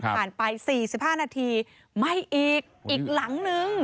ไป๔๕นาทีไหม้อีกอีกหลังนึง